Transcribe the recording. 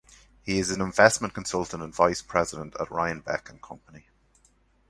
He is an Investment Consultant and Vice President at Ryan Beck and Company.